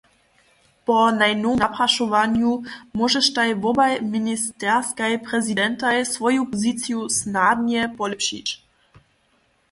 Po najnowšim naprašowanju móžeštaj wobaj ministerskaj prezidentaj swoju poziciju snadnje polěpšić.